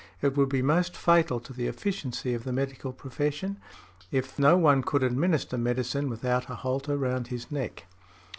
It would be most fatal to the efficiency of the medical profession if no one could administer medicine without a halter round his neck .